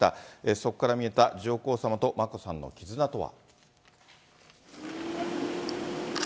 そこから見えた、上皇さまと眞子さんの絆とは。